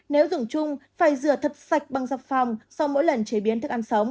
nếu dùng chung phải rửa thật sạch bằng dọc phòng sau mỗi lần chế biến thức ăn sống